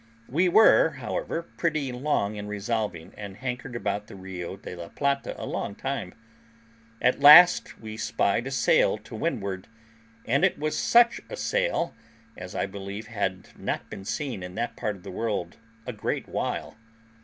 We were, however, pretty long in resolving, and hankered about the Rio de la Plata a long time. At last we spied a sail to windward, and it was such a sail as I believe had not been seen in that part of the world a great while.